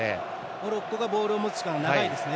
モロッコがボールを持つ時間が長いですね。